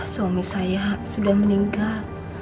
suami saya sudah meninggal